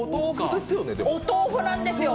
お豆冨なんですよ。